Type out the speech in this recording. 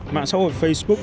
mạng xã hội facebook